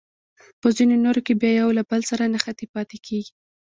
په ځینو نورو کې بیا یو له بل سره نښتې پاتې کیږي.